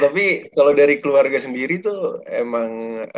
tapi kalo dari keluarga sendiri tuh emang bisa ya